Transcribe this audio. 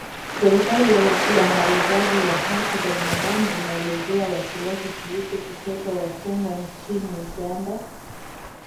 Shirika la Waangalizi wa Haki za Binaadamu inaelezea wasiwasi kuhusu kuteswa wafungwa nchini Uganda